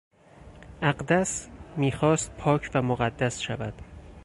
اقدس میخواست پاک و مقدس شود.